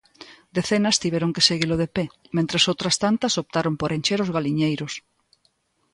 Decenas tiveron que seguilo de pé mentres outras tantas optaron por encher os galiñeiros.